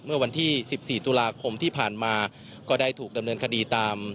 เมื่อวันที่๑๔ตุลาคมที่ผ่านมาก็ได้ถูกดำเนินคดีตาม